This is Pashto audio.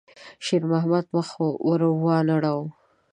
شېرمحمد مخ ور وانه ړاوه.